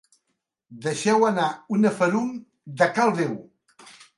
Deixeu anar una ferum de cal déu.